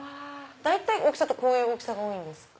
大体こういう大きさが多いんですか？